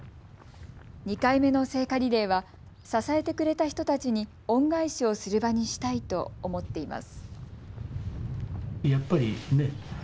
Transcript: ２回目の聖火リレーは支えてくれた人たちに恩返しをする場にしたいと思っています。